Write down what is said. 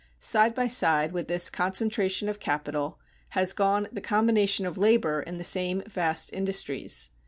Side by side with this concentration of capital has gone the combination of labor in the same vast industries.